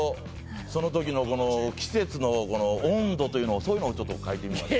そのときのこの季節の温度というのそういうのをちょっと書いてみました。